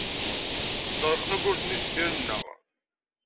Neɣleq tawwurt-nni deffir-nneɣ.